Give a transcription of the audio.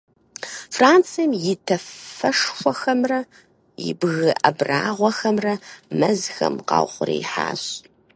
Францием и тафэшхуэхэмрэ и бгы абрагъуэхэмрэ мэзхэм къаухъуреихьащ.